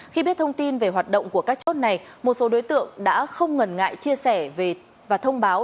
khi biết thông tin về hoạt động của các chốt này một số đối tượng đã không ngần ngại chia sẻ và thông báo